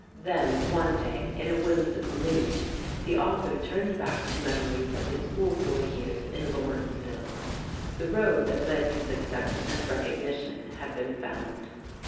Then, one day, in a whimsical mood, the author turned back to memories of his schoolboy years in Lawrenceville. The road that led to success and recognition had been found.